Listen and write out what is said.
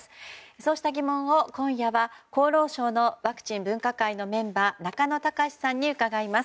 そうした疑問を今夜は厚労省のワクチン分科会のメンバー中野貴司さんに伺います。